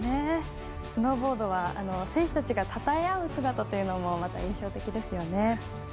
スノーボードは選手たちが、たたえ合う姿もまた印象的ですよね。